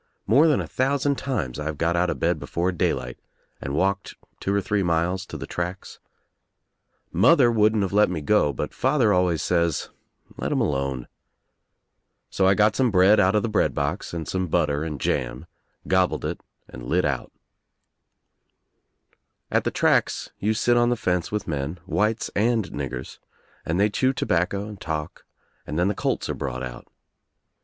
More than a thousand times I've got out of bed before daylight and walked two or three miles to the tracks. Mother wouldn't of let me go but father always says, "Let him alone," So I got some bread out of the bread box and some butter and jam, gobbled it and lit out At the tracks you sit on the fence with men, whites and niggers, and they chew tobacco and talk, and then the colts are brought out.